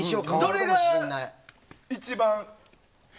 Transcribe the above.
どれが一番？